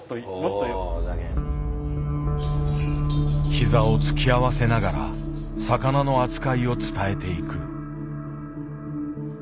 ひざを突き合わせながら魚の扱いを伝えていく。